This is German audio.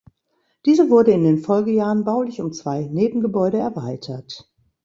Diese wurde in den Folgejahren baulich um zwei Nebengebäude erweitert.